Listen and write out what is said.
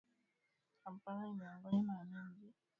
Kampala ni miongoni mwa miji yenye hewa chafu ulimwengun